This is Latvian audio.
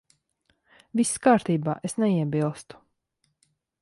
Viss kārtībā. Es neiebilstu.